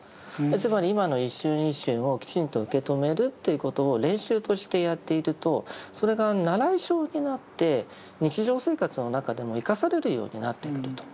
つまり今の一瞬一瞬をきちんと受け止めるということを練習としてやっているとそれが習い性になって日常生活の中でも生かされるようになってくると。